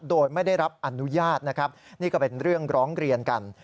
โดยไม่ได้รับอนุญาตนะครับนี่ก็เป็นเรื่องร้องเรียนกัน